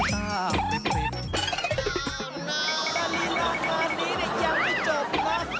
แล้วลีลางานนี้ยังไม่เจอกลักษณ์